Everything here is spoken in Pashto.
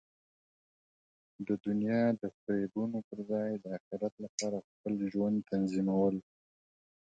د دنیا د فریبونو پر ځای د اخرت لپاره خپل ژوند تنظیمول.